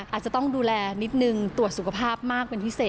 อาจจะต้องดูแลนิดนึงตรวจสุขภาพมากเป็นพิเศษ